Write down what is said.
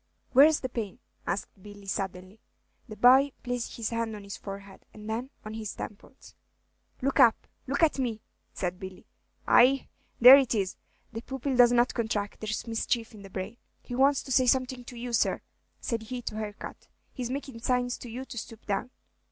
"Where's the pain?" asked Billy, suddenly. The boy placed his hand on his forehead, and then on his temples. "Look up! look at me!" said Billy. "Ay, there it is! the pupil does not contract, there's mischief in the brain. He wants to say something to you, sir," said he to Harcourt; "he's makin' signs to you to stoop down."